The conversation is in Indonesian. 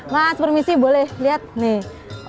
mas permisi boleh lihat nih